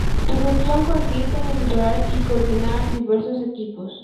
Su función consiste en asesorar y coordinar diversos equipos.